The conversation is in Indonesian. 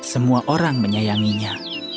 semua orang menyayanginya